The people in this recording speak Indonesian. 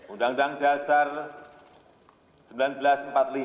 undang undang dasar seribu sembilan ratus empat puluh lima nkri dan bhinneka tunggal ika